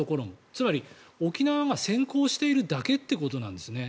つまり沖縄が先行しているだけということなんですね。